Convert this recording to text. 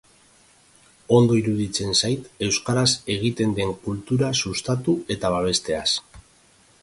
Ondo iruditzen zait euskaraz egiten den kultura sustatu eta babesteaz.